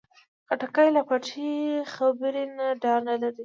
خټکی له پټې خبرې نه ډار نه لري.